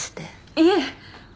いえ。